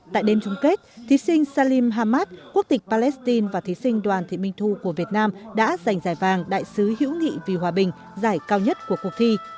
tại đêm chung kết thí sinh salim hamad quốc tịch palestine và thí sinh đoàn thị minh thu của việt nam đã giành giải vàng đại sứ hữu nghị vì hòa bình giải cao nhất của cuộc thi